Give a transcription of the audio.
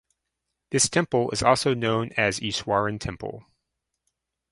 This temple is also known Easwaran Temple.